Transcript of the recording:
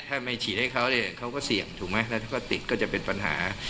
ถ้าไม่ฉีดให้เขาเนี่ยเขาก็เสี่ยงถูกไหมแล้วถ้าเขาติดก็จะเป็นปัญหา